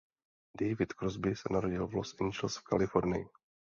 David Crosby se narodil v Los Angeles v Kalifornii.